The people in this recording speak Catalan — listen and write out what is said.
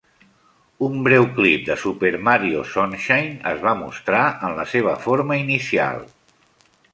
Un breu clip de "Super Mario Sunshine" es va mostrar en la seva forma inicial.